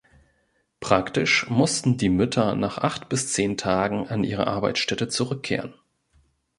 Praktisch mussten die Mütter nach acht bis zehn Tagen an ihre Arbeitsstätte zurückkehren.